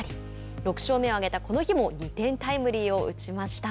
６勝目をあげたこの日も２点タイムリーを打ちました。